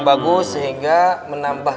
bagus sehingga menambah